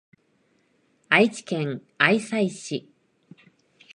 愛知県愛西市